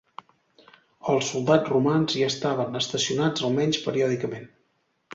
Els soldats romans hi estaven estacionats almenys periòdicament.